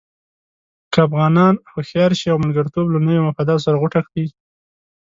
که افغانان هوښیار شي او ملګرتوب له نویو مفاداتو سره غوټه کړي.